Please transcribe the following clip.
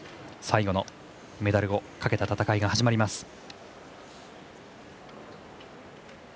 最後のメダルをかけた戦いが始まります。